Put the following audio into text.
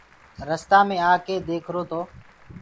رستآ مي آڪي ديکرو تو